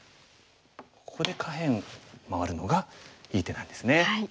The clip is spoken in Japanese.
ここで下辺回るのがいい手なんですね。